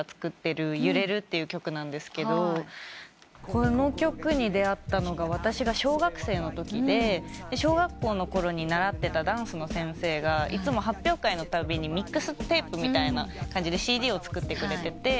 この曲に出合ったのが私が小学生のときで小学校のころに習ってたダンスの先生がいつも発表会のたびにミックステープみたいな感じでＣＤを作ってくれてて。